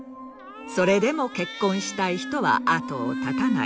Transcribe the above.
それでも結婚したい人は後をたたない。